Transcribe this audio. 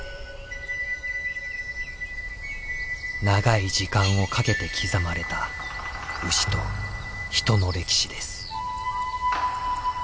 長い時間をかけて刻まれた牛と人の歴史です。